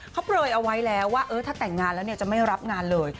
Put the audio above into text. เขาเปลยเอาไว้แล้วว่าถ้าแต่งงานแล้วจะไม่รับงานเลย